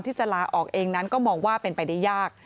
ที่จะลาออกเองนั้นก็มองว่าเป็นไปได้ยาก